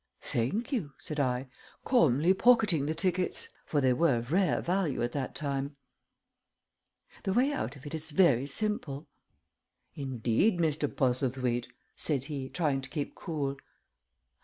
"Thank you," said I, calmly pocketing the tickets, for they were of rare value at that time. "The way out of it is very simple." "Indeed, Mr. Postlethwaite," said he, trying to keep cool.